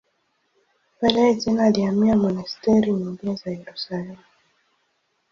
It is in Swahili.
Baadaye tena alihamia monasteri nyingine za Yerusalemu.